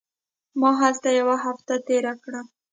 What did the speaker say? ما هلته یوه هفته تېره کړه.